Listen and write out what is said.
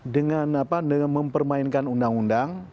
dengan mempermainkan undang undang